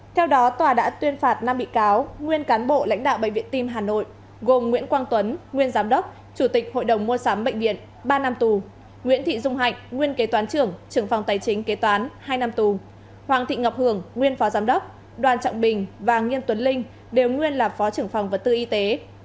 theo đó tòa đã tuyên phạt năm bị cáo nguyên cán bộ lãnh đạo bệnh viện tim hà nội gồm nguyễn quang tuấn nguyên giám đốc chủ tịch hội đồng mua sắm bệnh viện ba năm tù nguyễn thị dung hạnh nguyên kế toán trưởng trưởng phòng tài chính kế toán hai năm tù hoàng thị ngọc hường nguyên phó giám đốc đoàn trọng bình và nghiêm tuấn linh đều nguyên là phó trưởng phòng vật tư y tế